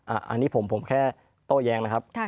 อันนี้ผมแค่โต้แย้งนะครับ